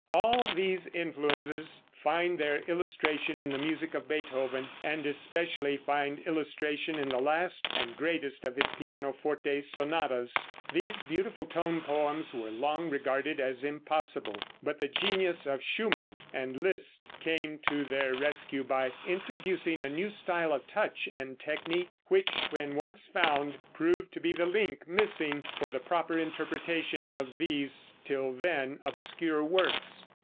All these influences find their illustration in the music of Beethoven, and especially find illustration in the last and greatest of his pianoforte sonatas. These beautiful tone poems were long regarded as impossible. But the genius of Schumann and Liszt came to their rescue by introducing a new style of touch and technique, which, when once found, proved to be the link missing for the proper interpretation of these till then obscure works.